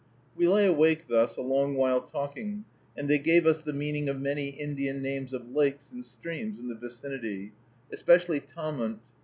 We lay awake thus a long while talking, and they gave us the meaning of many Indian names of lakes and streams in the vicinity, especially Tahmunt.